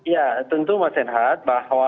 ya tentu mas enhat